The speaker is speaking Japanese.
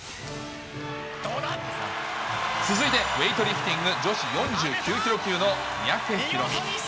続いてウエイトリフティング女子４９キロ級の三宅宏実。